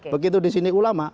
begitu di sini ulama